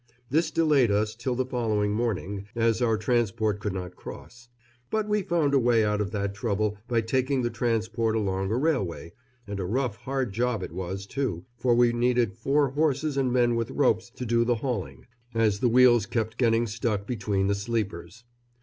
This delayed us till the following morning, as our transport could not cross. But we found a way out of that trouble by taking the transport along a railway, and a rough, hard job it was, too, for we needed four horses and men with ropes to do the hauling, as the wheels kept getting stuck between the sleepers.